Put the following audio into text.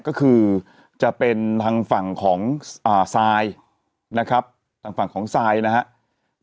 ก็คือจะเป็นทางฝั่งของซายนะครับทางฝั่งของซายนะครับ